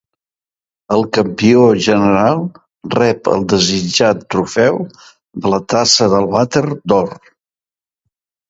El campió general rep el desitjat Trofeu de la Tassa del Vàter d'Or.